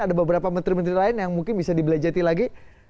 ada beberapa menteri menteri lain yang mungkin bisa dibelajati lagi